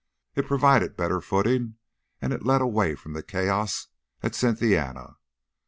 It provided better footing, and it led away from the chaos at Cynthiana.